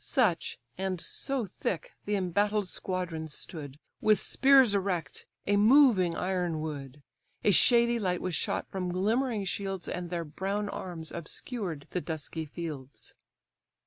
Such, and so thick, the embattled squadrons stood, With spears erect, a moving iron wood: A shady light was shot from glimmering shields, And their brown arms obscured the dusky fields.